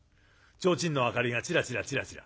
提灯の明かりがチラチラチラチラ。